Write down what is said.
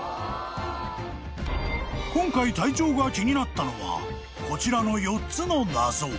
［今回隊長が気になったのはこちらの４つの謎］